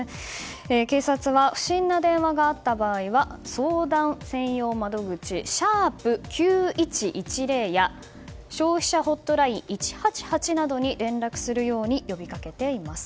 警察は不審な電話があった場合は相談専用窓口「♯９１１０」や消費者ホットライン１８８などに連絡するように呼びかけています。